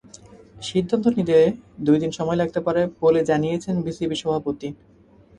সিদ্ধান্ত নিতে দুই দিন সময় লাগতে পারে বলে জানিয়েছেন বিসিবি সভাপতি।